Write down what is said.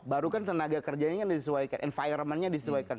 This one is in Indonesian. baru kan tenaga kerjanya kan disesuaikan environment nya disesuaikan